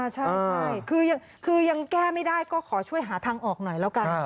ใช่คือยังแก้ไม่ได้ก็ขอช่วยหาทางออกหน่อยแล้วกัน